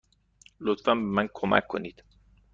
لطفا به من کمک کنید.